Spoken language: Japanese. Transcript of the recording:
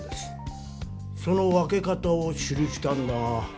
その分け方を記したんだが。